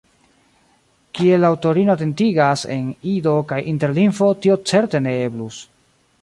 Kiel la aŭtorino atentigas, en Ido kaj Interlingvo tio certe ne eblus.